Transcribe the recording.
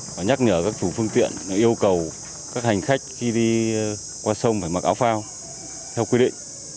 và nhắc nhở các chủ phương tiện yêu cầu các hành khách khi đi qua sông phải mặc áo phao theo quy định